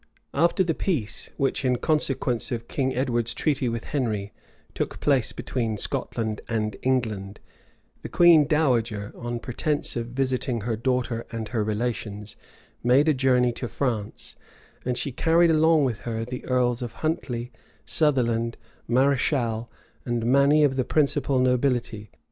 * Thuan. lib. xx. cap. 2. After the peace which, in consequence of King Edward's treaty with Henry, took place between Scotland and England, the queen dowager, on pretence of visiting her daughter and her relations, made a journey to France; and she carried along with her the earls of Huntley, Sutherland, Marischal, and many of the principal nobility.